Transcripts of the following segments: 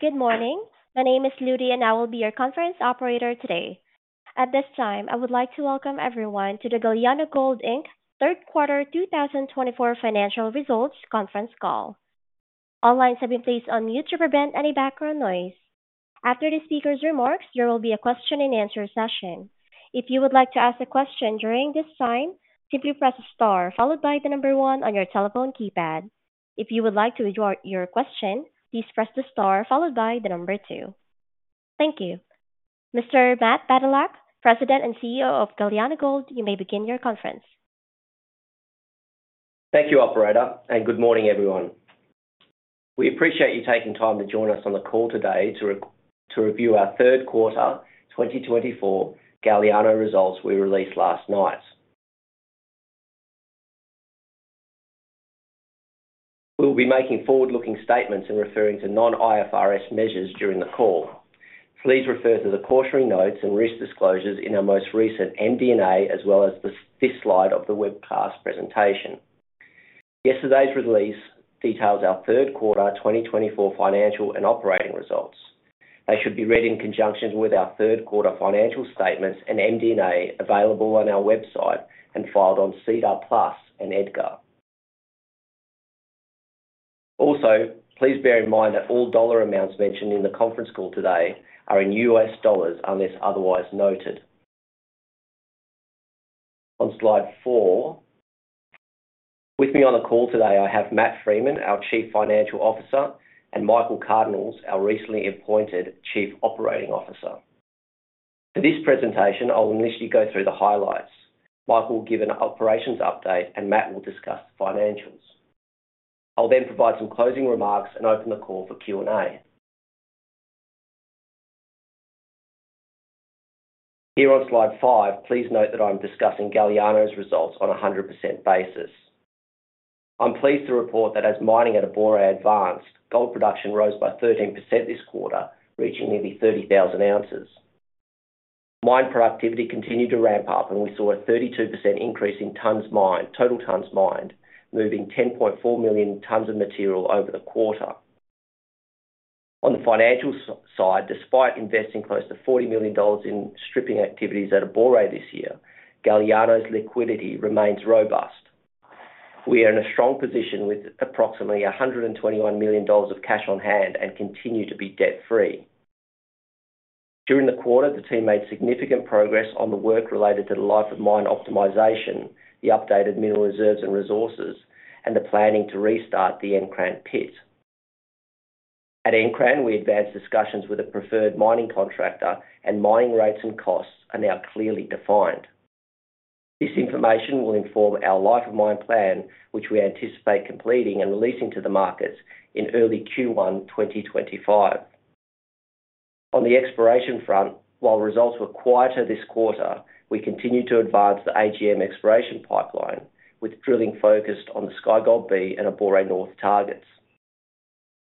Good morning. My name is Ludi, and I will be your conference operator today. At this time, I would like to welcome everyone to the Galiano Gold Inc. Q3 2024 financial results conference call. All lines have been placed on mute to prevent any background noise. After the speaker's remarks, there will be a question-and-answer session. If you would like to ask a question during this time, simply press the star followed by the number one on your telephone keypad. If you would like to withdraw your question, please press the star followed by the number two. Thank you. Mr. Matt Badylak, President and CEO of Galiano Gold, you may begin your conference. Thank you, Operator, and good morning, everyone. We appreciate you taking time to join us on the call today to review our Q3 2024 Galiano results we released last night. We will be making forward-looking statements and referring to non-IFRS measures during the call. Please refer to the cautionary notes and risk disclosures in our most recent MD&A, as well as this slide of the webcast presentation. Yesterday's release details our Q3 2024 financial and operating results. They should be read in conjunction with our Q3 financial statements and MD&A available on our website and filed on SEDAR+ and EDGAR. Also, please bear in mind that all dollar amounts mentioned in the conference call today are in US dollars unless otherwise noted. On slide four, with me on the call today, I have Matt Freeman, our Chief Financial Officer, and Michael Cardenas, our recently appointed Chief Operating Officer. For this presentation, I will initially go through the highlights. Michael will give an operations update, and Matt will discuss financials. I'll then provide some closing remarks and open the call for Q&A. Here on slide five, please note that I'm discussing Galiano's results on a 100% basis. I'm pleased to report that as mining at Abore advanced, gold production rose by 13% this quarter, reaching nearly 30,000 ounces. Mine productivity continued to ramp up, and we saw a 32% increase in total tons mined, moving 10.4 million tons of material over the quarter. On the financial side, despite investing close to $40 million in stripping activities at Abore this year, Galiano's liquidity remains robust. We are in a strong position with approximately $121 million of cash on hand and continue to be debt-free. During the quarter, the team made significant progress on the work related to the life of mine optimization, the updated mineral reserves and resources, and the planning to restart the Nkran pit. At Nkran, we advanced discussions with a preferred mining contractor, and mining rates and costs are now clearly defined. This information will inform our life of mine plan, which we anticipate completing and releasing to the markets in early Q1 2025. On the exploration front, while results were quieter this quarter, we continue to advance the AGM exploration pipeline, with drilling focused on the Sky Gold B and Abore North targets.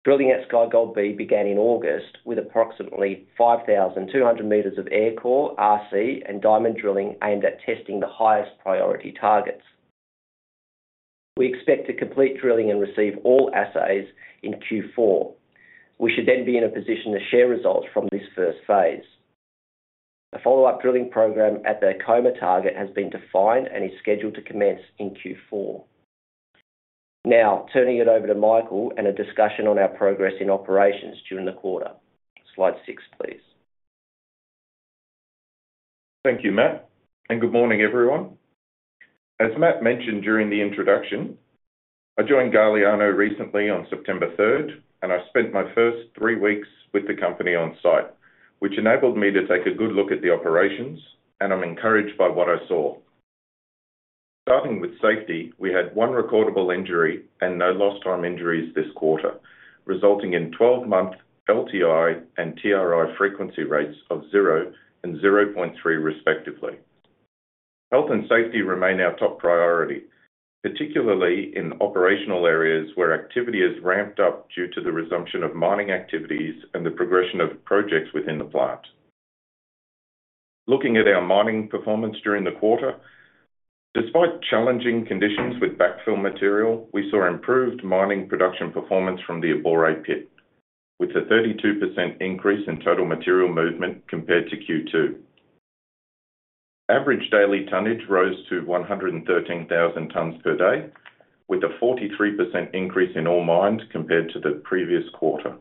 Drilling at Sky Gold B began in August with approximately 5,200 meters of aircore, RC, and diamond drilling aimed at testing the highest priority targets. We expect to complete drilling and receive all assays in Q4. We should then be in a position to share results from this first phase. A follow-up drilling program at the Koma target has been defined and is scheduled to commence in Q4. Now, turning it over to Michael and a discussion on our progress in operations during the quarter. Slide six, please. Thank you, Matt, and good morning, everyone. As Matt mentioned during the introduction, I joined Galiano recently on September 3rd, and I spent my first three weeks with the company on site, which enabled me to take a good look at the operations, and I'm encouraged by what I saw. Starting with safety, we had one recordable injury and no lost-time injuries this quarter, resulting in 12-month LTI and TRI frequency rates of zero and 0.3, respectively. Health and safety remain our top priority, particularly in operational areas where activity has ramped up due to the resumption of mining activities and the progression of projects within the plant. Looking at our mining performance during the quarter, despite challenging conditions with backfill material, we saw improved mining production performance from the Abore pit, with a 32% increase in total material movement compared to Q2. Average daily tonnage rose to 113,000 tons per day, with a 43% increase in all mines compared to the previous quarter.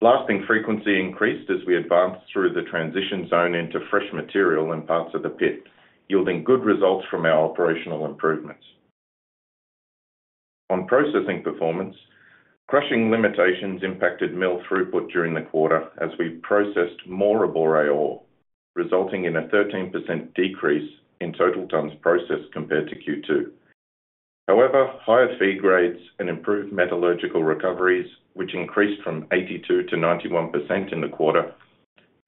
Blasting frequency increased as we advanced through the transition zone into fresh material in parts of the pit, yielding good results from our operational improvements. On processing performance, crushing limitations impacted mill throughput during the quarter as we processed more Abore ore, resulting in a 13% decrease in total tons processed compared to Q2. However, higher feed grades and improved metallurgical recoveries, which increased from 82% to 91% in the quarter,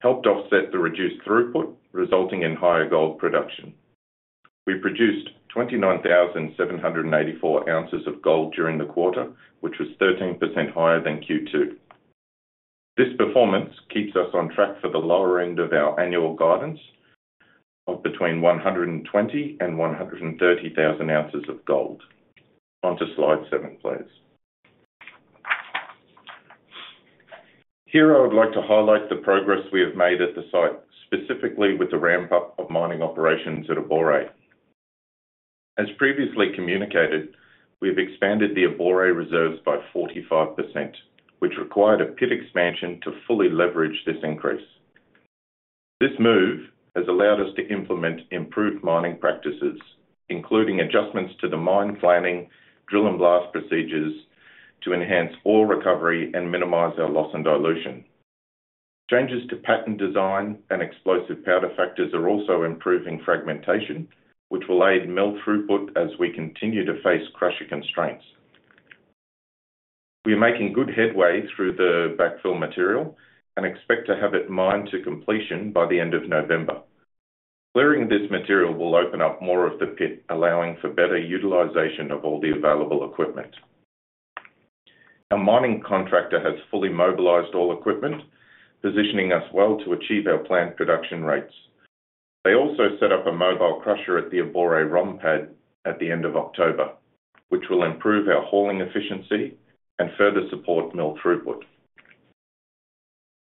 helped offset the reduced throughput, resulting in higher gold production. We produced 29,784 ounces of gold during the quarter, which was 13% higher than Q2. This performance keeps us on track for the lower end of our annual guidance of between 120,000 and 130,000 ounces of gold. Onto slide seven, please. Here, I would like to highlight the progress we have made at the site, specifically with the ramp-up of mining operations at Abore. As previously communicated, we have expanded the Abore reserves by 45%, which required a pit expansion to fully leverage this increase. This move has allowed us to implement improved mining practices, including adjustments to the mine planning, drill and blast procedures to enhance ore recovery and minimize our loss and dilution. Changes to pattern design and explosive powder factors are also improving fragmentation, which will aid mill throughput as we continue to face crusher constraints. We are making good headway through the backfill material and expect to have it mined to completion by the end of November. Clearing this material will open up more of the pit, allowing for better utilization of all the available equipment. Our mining contractor has fully mobilized all equipment, positioning us well to achieve our planned production rates. They also set up a mobile crusher at the Aboreramp pad at the end of October, which will improve our hauling efficiency and further support mill throughput.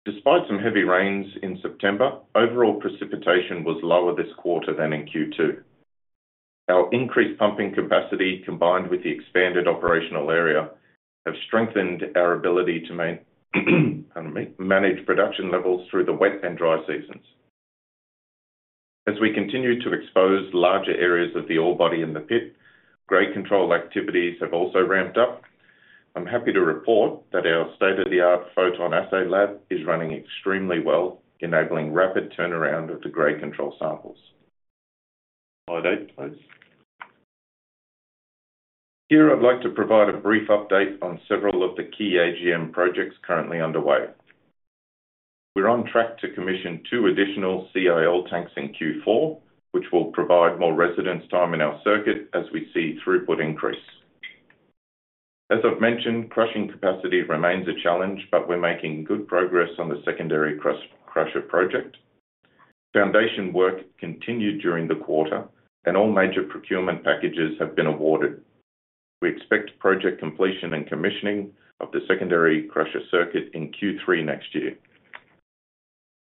Despite some heavy rains in September, overall precipitation was lower this quarter than in Q2. Our increased pumping capacity, combined with the expanded operational area, have strengthened our ability to manage production levels through the wet and dry seasons. As we continue to expose larger areas of the ore body in the pit, grade control activities have also ramped up. I'm happy to report that our state-of-the-art PhotonAssay lab is running extremely well, enabling rapid turnaround of the grade control samples. Slide, please. Here, I'd like to provide a brief update on several of the key AGM projects currently underway. We're on track to commission two additional CIL tanks in Q4, which will provide more residence time in our circuit as we see throughput increase. As I've mentioned, crushing capacity remains a challenge, but we're making good progress on the secondary crusher project. Foundation work continued during the quarter, and all major procurement packages have been awarded. We expect project completion and commissioning of the secondary crusher circuit in Q3 next year.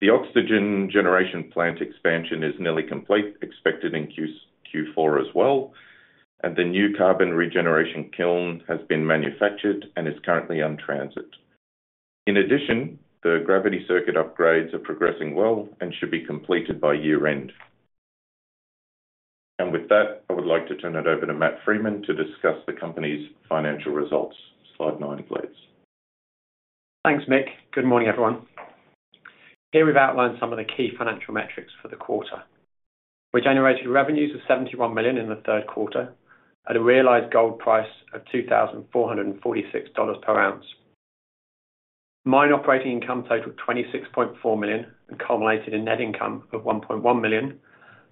The oxygen generation plant expansion is nearly complete, expected in Q4 as well, and the new carbon regeneration kiln has been manufactured and is currently in transit. In addition, the gravity circuit upgrades are progressing well and should be completed by year-end. And with that, I would like to turn it over to Matt Freeman to discuss the company's financial results. Slide, please. Thanks, Mick. Good morning, everyone. Here we've outlined some of the key financial metrics for the quarter. We generated revenues of $71 million in the Q3 at a realized gold price of $2,446 per ounce. Mine operating income totaled $26.4 million and culminated in net income of $1.1 million,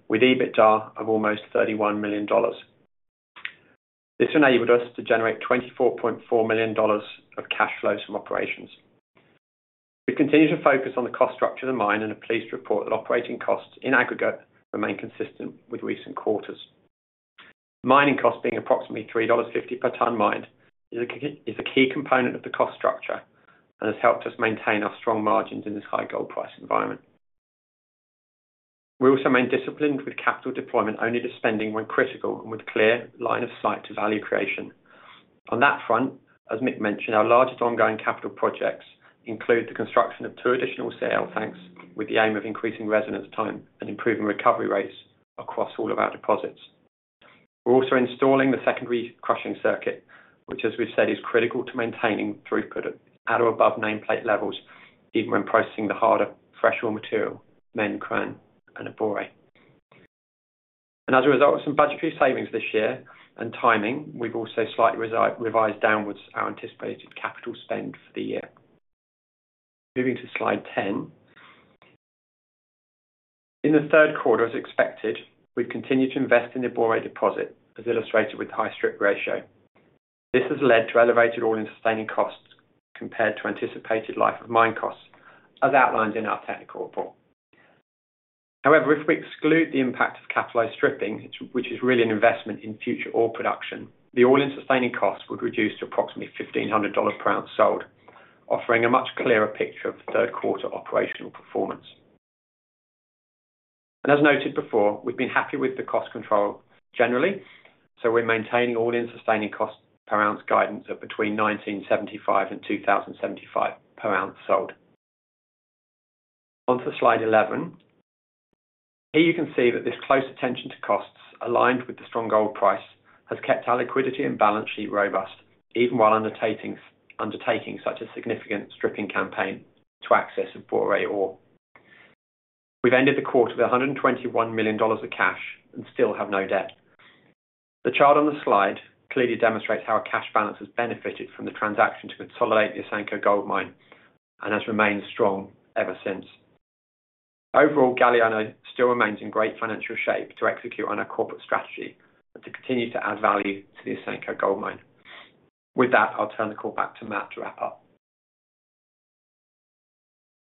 with EBITDA of almost $31 million. This enabled us to generate $24.4 million of cash flows from operations. We continue to focus on the cost structure of the mine and are pleased to report that operating costs in aggregate remain consistent with recent quarters. Mining costs, being approximately $3.50 per ton mined, is a key component of the cost structure and has helped us maintain our strong margins in this high gold price environment. We also remain disciplined with capital deployment only to spending when critical and with a clear line of sight to value creation. On that front, as Mick mentioned, our largest ongoing capital projects include the construction of two additional CIL tanks with the aim of increasing residence time and improving recovery rates across all of our deposits. We're also installing the secondary crushing circuit, which, as we've said, is critical to maintaining throughput at or above nameplate levels, even when processing the harder fresh ore material, Nkran, and Abore. And as a result of some budgetary savings this year and timing, we've also slightly revised downwards our anticipated capital spend for the year. Moving to slide 10. In the Q3, as expected, we've continued to invest in the Abore deposit, as illustrated with the high strip ratio. This has led to elevated all-in-sustaining costs compared to anticipated life of mine costs, as outlined in our technical report. However, if we exclude the impact of capitalized stripping, which is really an investment in future ore production, the all-in-sustaining costs would reduce to approximately $1,500 per ounce sold, offering a much clearer picture of Q3 operational performance, and as noted before, we've been happy with the cost control generally, so we're maintaining all-in-sustaining costs per ounce guidance at between $1,975 and $2,075 per ounce sold. Onto slide 11. Here you can see that this close attention to costs, aligned with the strong gold price, has kept our liquidity and balance sheet robust, even while undertaking such a significant stripping campaign to access Abore ore. We've ended the quarter with $121 million of cash and still have no debt. The chart on the slide clearly demonstrates how our cash balance has benefited from the transaction to consolidate the Asanko Gold Mine and has remained strong ever since. Overall, Galiano still remains in great financial shape to execute on our corporate strategy and to continue to add value to the Asanko Gold Mine. With that, I'll turn the call back to Matt to wrap up.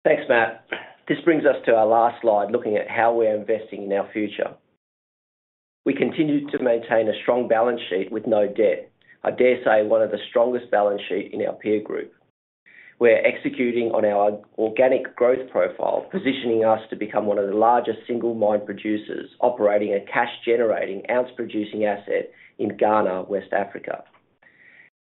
Thanks, Matt. This brings us to our last slide, looking at how we're investing in our future. We continue to maintain a strong balance sheet with no debt, I dare say one of the strongest balance sheets in our peer group. We're executing on our organic growth profile, positioning us to become one of the largest single-mine producers operating a cash-generating, ounce-producing asset in Ghana, West Africa.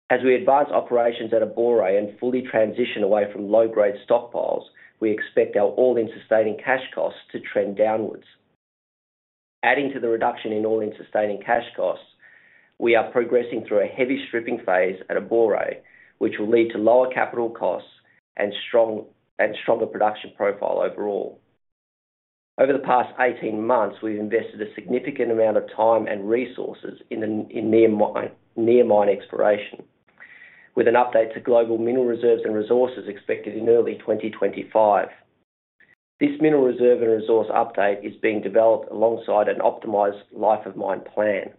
As we advance operations at Abore and fully transition away from low-grade stockpiles, we expect our all-in-sustaining cash costs to trend downwards. Adding to the reduction in all-in-sustaining cash costs, we are progressing through a heavy stripping phase at Abore, which will lead to lower capital costs and stronger production profile overall. Over the past 18 months, we've invested a significant amount of time and resources in near-mine exploration, with an update to global mineral reserves and resources expected in early 2025. This mineral reserve and resource update is being developed alongside an optimized life of mine plan.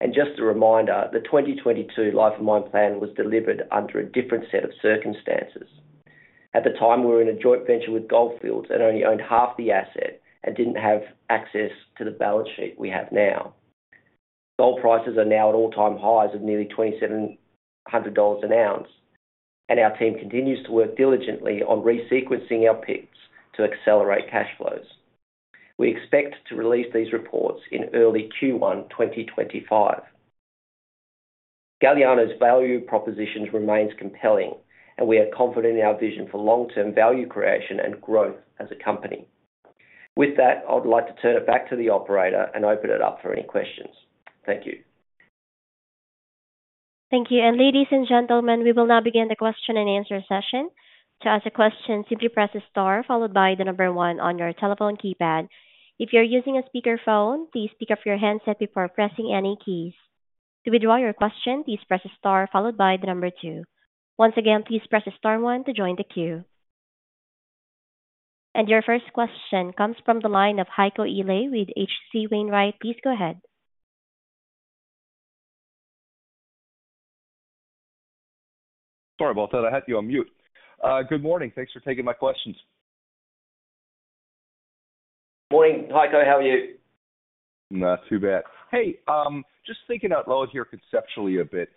And just a reminder, the 2022 life of mine plan was delivered under a different set of circumstances. At the time, we were in a joint venture with Gold Fields and only owned half the asset and didn't have access to the balance sheet we have now. Gold prices are now at all-time highs of nearly $2,700 an ounce, and our team continues to work diligently on resequencing our pits to accelerate cash flows. We expect to release these reports in early Q1 2025. Galiano's value propositions remain compelling, and we are confident in our vision for long-term value creation and growth as a company. With that, I would like to turn it back to the operator and open it up for any questions. Thank you. Thank you. And ladies and gentlemen, we will now begin the question and answer session. To ask a question, simply press the star followed by the number one on your telephone keypad. If you're using a speakerphone, please pick up your handset before pressing any keys. To withdraw your question, please press the star followed by the number two. Once again, please press the star one to join the queue. And your first question comes from the line of Heiko Ihle with H.C. Wainwright. Please go ahead. Sorry about that. I had you on mute. Good morning. Thanks for taking my questions. Morning, Heiko. How are you? Not too bad. Hey, just thinking out loud here conceptually a bit.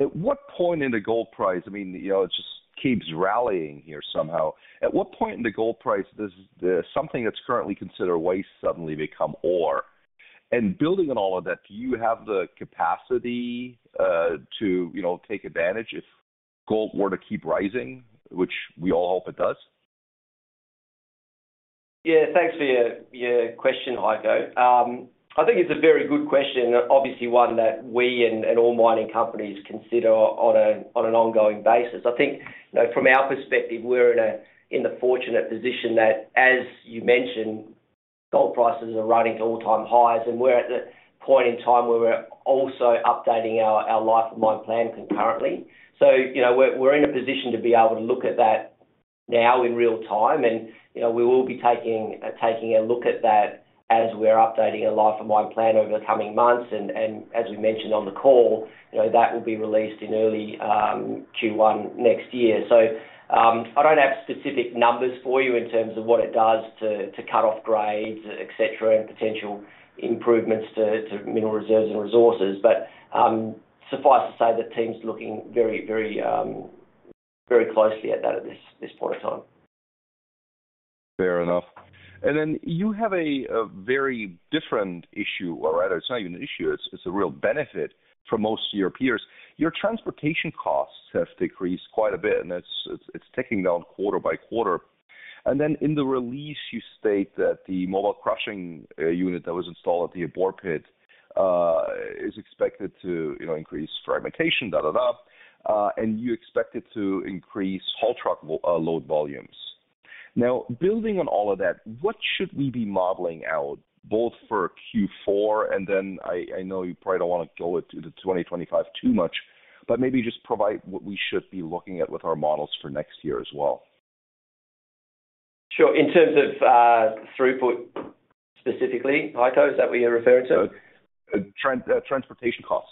At what point in the gold price, I mean, it just keeps rallying here somehow? At what point in the gold price does something that's currently considered waste suddenly become ore? And building on all of that, do you have the capacity to take advantage if gold were to keep rising, which we all hope it does? Yeah, thanks for your question, Heiko. I think it's a very good question, obviously one that we and all mining companies consider on an ongoing basis. I think from our perspective, we're in the fortunate position that, as you mentioned, gold prices are running to all-time highs, and we're at the point in time where we're also updating our life of mine plan concurrently. So we're in a position to be able to look at that now in real time, and we will be taking a look at that as we're updating our life of mine plan over the coming months. And as we mentioned on the call, that will be released in early Q1 next year. So I don't have specific numbers for you in terms of what it does to cut-off grades, etc., and potential improvements to mineral reserves and resources, but suffice to say that the team's looking very closely at that at this point in time. Fair enough. And then you have a very different issue, or rather, it's not even an issue. It's a real benefit for most of your peers. Your transportation costs have decreased quite a bit, and it's ticking down quarter by quarter. And then in the release, you state that the mobile crushing unit that was installed at the Abore pit is expected to increase fragmentation, da da da, and you expect it to increase haul truck load volumes. Now, building on all of that, what should we be modeling out both for Q4 and then I know you probably don't want to go into 2025 too much, but maybe just provide what we should be looking at with our models for next year as well? Sure. In terms of throughput specifically, Heiko, is that what you're referring to? Transportation costs.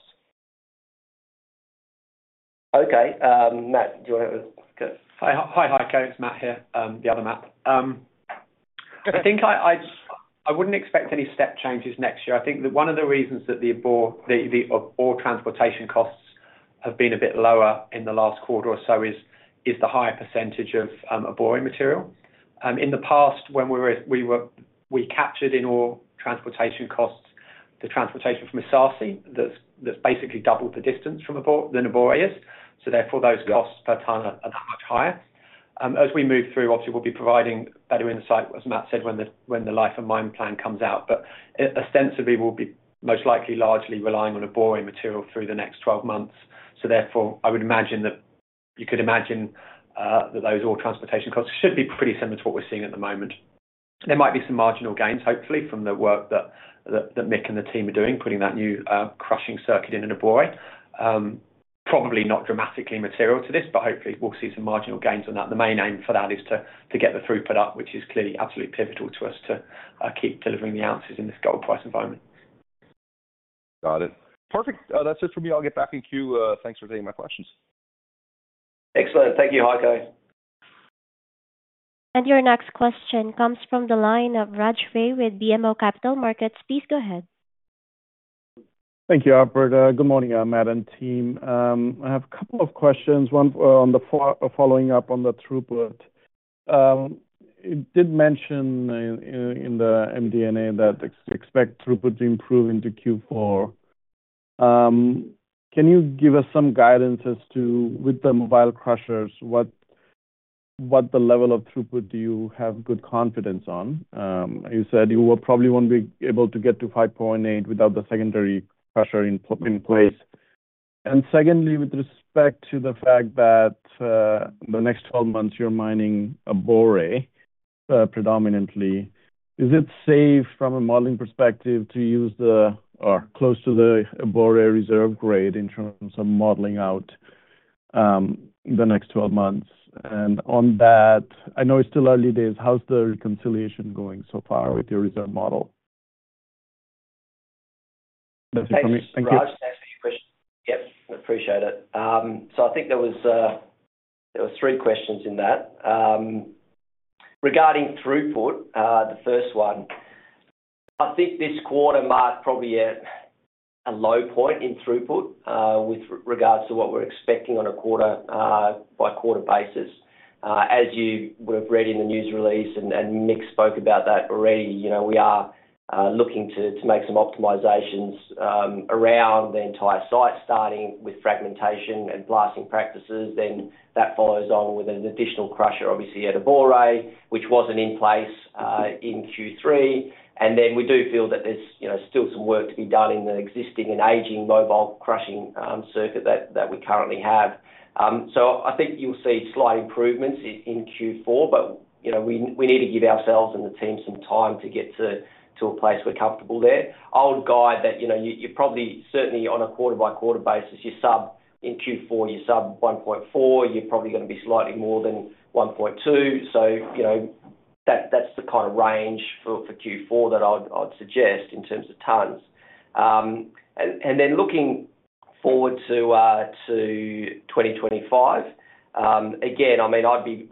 Okay. Matt, do you want to go? Hi, Heiko. It's Matt here, the other Matt. I think I wouldn't expect any step changes next year. I think that one of the reasons that the ore transportation costs have been a bit lower in the last quarter or so is the higher percentage of Abore material. In the past, when we captured in ore transportation costs, the transportation from Esaase that's basically doubled the distance than Abore is, so therefore those costs per tonne are that much higher. As we move through, obviously, we'll be providing better insight, as Matt said, when the life of mine plan comes out, but ostensibly, we'll be most likely largely relying on Abore material through the next 12 months. So therefore, I would imagine that you could imagine that those ore transportation costs should be pretty similar to what we're seeing at the moment. There might be some marginal gains, hopefully, from the work that Mick and the team are doing, putting that new crushing circuit in Abore. Probably not dramatically material to this, but hopefully, we'll see some marginal gains on that. The main aim for that is to get the throughput up, which is clearly absolutely pivotal to us to keep delivering the ounces in this gold price environment. Got it. Perfect. That's it from me. I'll get back in queue. Thanks for taking my questions. Excellent. Thank you, Heiko. And your next question comes from the line of Raj Ray with BMO Capital Markets. Please go ahead. Thank you, Alfred. Good morning, Matt and team. I have a couple of questions, one following up on the throughput. You did mention in the MD&A that you expect throughput to improve into Q4. Can you give us some guidance as to, with the mobile crushers, what the level of throughput do you have good confidence on? You said you probably won't be able to get to 5.8 without the secondary crusher in place. And secondly, with respect to the fact that the next 12 months you're mining Abore predominantly, is it safe from a modeling perspective to use the ore or close to the Abore reserve grade in terms of modeling out the next 12 months? And on that, I know it's still early days. How's the reconciliation going so far with your reserve model? Thank you. Thank you. I'll just answer your question. Yep, appreciate it. So I think there were three questions in that. Regarding throughput, the first one, I think this quarter might probably be at a low point in throughput with regards to what we're expecting on a quarter-by-quarter basis. As you would have read in the news release, and Mick spoke about that already, we are looking to make some optimizations around the entire site, starting with fragmentation and blasting practices. Then that follows on with an additional crusher, obviously, at Abore, which wasn't in place in Q3. And then we do feel that there's still some work to be done in the existing and aging mobile crushing circuit that we currently have. So I think you'll see slight improvements in Q4, but we need to give ourselves and the team some time to get to a place we're comfortable there. I would guide that you're probably certainly on a quarter-by-quarter basis. In Q4, you're sub 1.4. You're probably going to be slightly more than 1.2. So that's the kind of range for Q4 that I'd suggest in terms of tonnes. And then looking forward to 2025, again, I mean, I'd be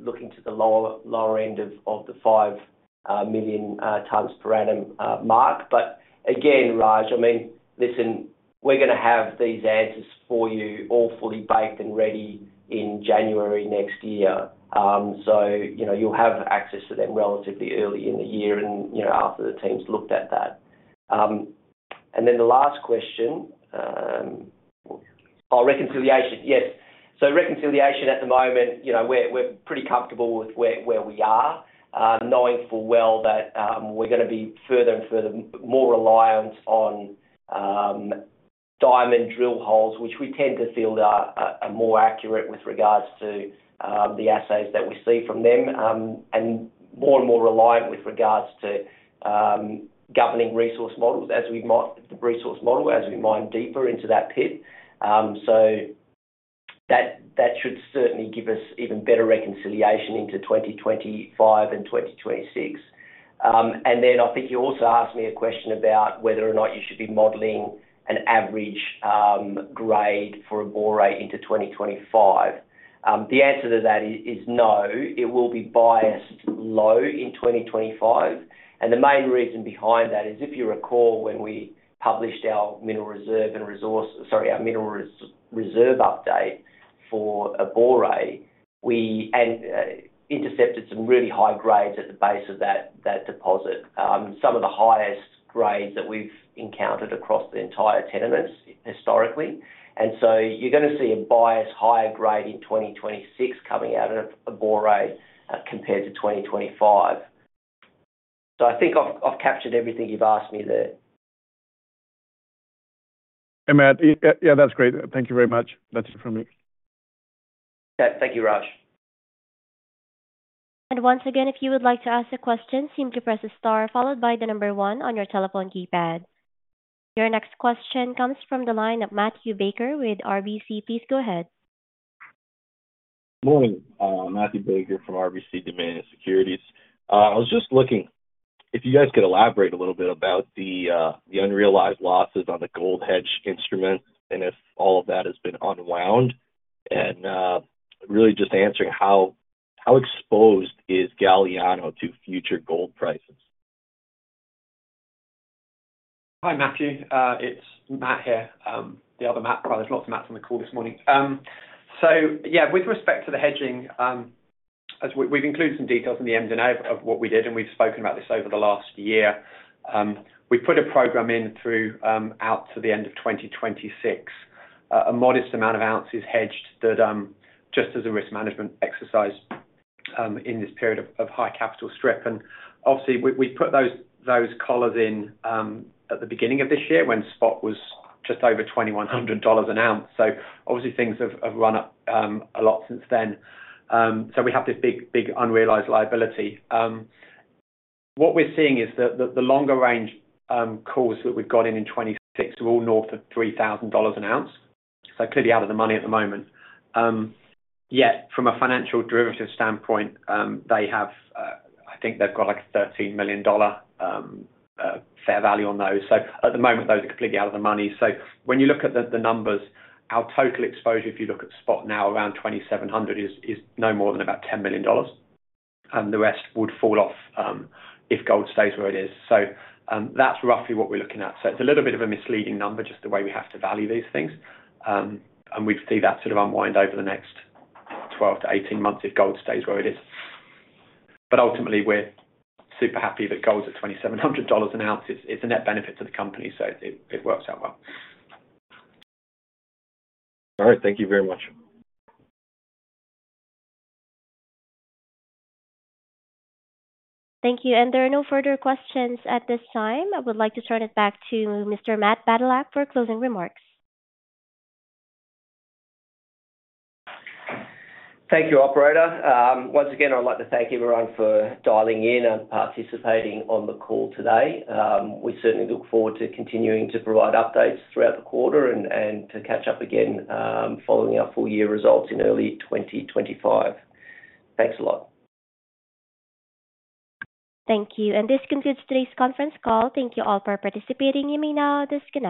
looking to the lower end of the 5 million tonnes per annum mark. But again, Raj, I mean, listen, we're going to have these answers for you all fully baked and ready in January next year. So you'll have access to them relatively early in the year and after the team's looked at that. And then the last question, oh, reconciliation. Yes. Reconciliation at the moment, we're pretty comfortable with where we are, knowing full well that we're going to be further and further more reliant on diamond drill holes, which we tend to feel are more accurate with regards to the assays that we see from them, and more and more reliant with regards to governing resource model as we mine deeper into that pit. That should certainly give us even better reconciliation into 2025 and 2026. Then I think you also asked me a question about whether or not you should be modeling an average grade for Abore into 2025. The answer to that is no. It will be biased low in 2025. And the main reason behind that is, if you recall, when we published our mineral reserve and resource, sorry, our mineral reserve update for Abore, we intercepted some really high grades at the base of that deposit, some of the highest grades that we've encountered across the entire tenements historically. And so you're going to see a biased higher grade in 2026 coming out of Abore compared to 2025. So I think I've captured everything you've asked me there. Hey, Matt. Yeah, that's great. Thank you very much. That's it from me. Thank you, Raj. Once again, if you would like to ask a question, simply press the star followed by the number one on your telephone keypad. Your next question comes from the line of Matthew Baker with RBC. Please go ahead. Good morning. Matthew Baker from RBC Dominion Securities. I was just looking if you guys could elAborete a little bit about the unrealized losses on the gold hedge instrument and if all of that has been unwound, and really just answering how exposed is Galiano to future gold prices? Hi, Matthew. It's Matt here, the other Matt. There's lots of Matts on the call this morning. So yeah, with respect to the hedging, we've included some details in the MD&A of what we did, and we've spoken about this over the last year. We put a program in throughout to the end of 2026, a modest amount of ounces hedged just as a risk management exercise in this period of high capital strip. And obviously, we put those collars in at the beginning of this year when spot was just over $2,100 an ounce. So obviously, things have run up a lot since then. So we have this big unrealized liability. What we're seeing is that the longer range calls that we've got in in 2026 are all north of $3,000 an ounce. So clearly out of the money at the moment. Yet from a financial derivative standpoint, I think they've got like a $13 million fair value on those. So at the moment, those are completely out of the money. So when you look at the numbers, our total exposure, if you look at spot now, around $2,700 is no more than about $10 million. The rest would fall off if gold stays where it is. So that's roughly what we're looking at. So it's a little bit of a misleading number, just the way we have to value these things. And we'd see that sort of unwind over the next 12-18 months if gold stays where it is. But ultimately, we're super happy that gold's at $2,700 an ounce. It's a net benefit to the company, so it works out well. All right. Thank you very much. Thank you. And there are no further questions at this time. I would like to turn it back to Mr. Matt Badylak for closing remarks. Thank you, Operator. Once again, I'd like to thank everyone for dialing in and participating on the call today. We certainly look forward to continuing to provide updates throughout the quarter and to catch up again following our full year results in early 2025. Thanks a lot. Thank you. And this concludes today's conference call. Thank you all for participating. You may now disconnect.